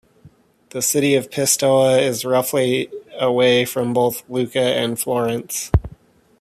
The city of Pistoia is roughly away from both Lucca and Florence.